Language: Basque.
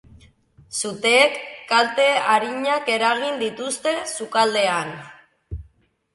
Suteek kalte arinak eragin dituzte sukaldean.